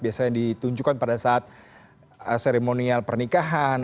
biasanya ditunjukkan pada saat seremonial pernikahan